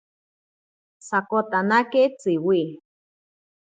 Sokotanake Tsiwi.